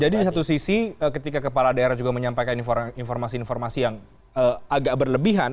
jadi di satu sisi ketika kepala daerah juga menyampaikan informasi informasi yang agak berlebihan